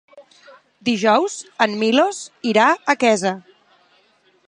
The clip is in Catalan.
Dijous en Milos irà a Quesa.